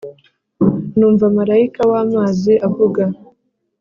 Numva marayika w’amazi avuga